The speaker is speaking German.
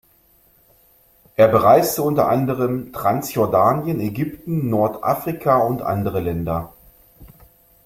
Er bereiste unter anderem Transjordanien, Ägypten, Nordafrika und andere Länder.